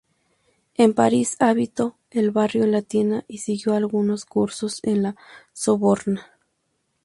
En París habitó el Barrio Latino y siguió algunos cursos en La Sorbona.